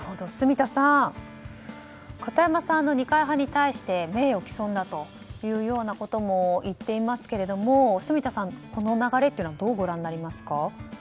住田さん片山さんが二階派に対して名誉毀損だというようなことも言っていますけれども住田さんはこの流れというのをどうご覧になりますか？